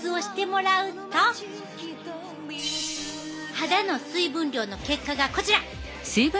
肌の水分量の結果がこちら。